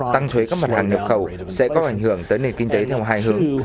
tăng thuế các mặt hàng nhập khẩu sẽ có ảnh hưởng tới nền kinh tế theo hai hướng